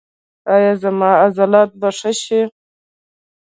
ایا زما عضلات به ښه شي؟